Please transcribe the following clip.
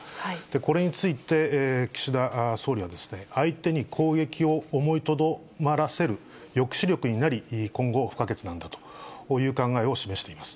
これについて岸田総理は、相手に攻撃を思いとどまらせる抑止力になり、今後不可欠なんだという考えを示しています。